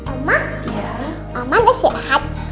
oma oma udah sehat